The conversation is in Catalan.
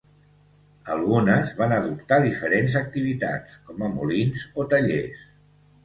Algunes van adoptar diferents activitats, com a molins o tallers.